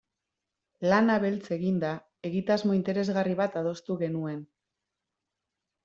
Lana beltz eginda, egitasmo interesgarri bat adostu genuen.